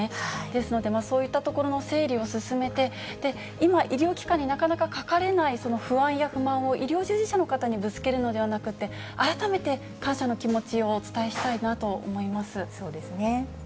ですので、そういったところの整理を進めて、今、医療機関になかなかかかれないその不安や不満を、医療従事者の方にぶつけるのではなくて、改めて感謝の気持ちをおそうですね。